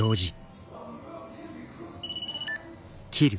はい。